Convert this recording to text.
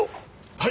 はい！